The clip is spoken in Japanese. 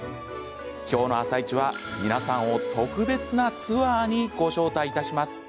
今日の「あさイチ」は、皆さんを特別なツアーにご招待いたします。